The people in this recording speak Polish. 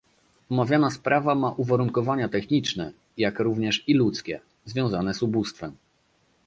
Omawiana sprawa ma uwarunkowania techniczne, jak również i ludzkie - związane z ubóstwem